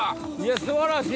素晴らしい！